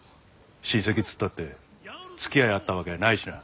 親戚っつったって付き合いあったわけやないしな。